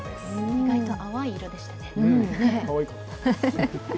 意外と淡い色でしたね。